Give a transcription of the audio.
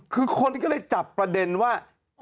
คือคนก็เลยจับประเด็นว่า